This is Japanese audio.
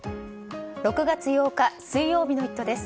６月８日、水曜日の「イット！」です。